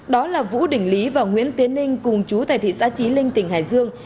đó là vũ đỉnh lý và nguyễn tiến ninh cùng chú tại thị xã trí linh tỉnh hải dương